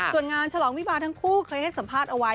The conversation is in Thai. ส่วนงานฉลองวิบาทั้งคู่เคยให้สัมภาษณ์เอาไว้